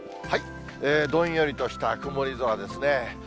どんよりとした曇り空ですね。